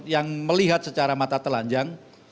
yang melihat secara mata telanjang